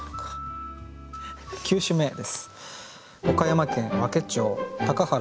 ９首目です。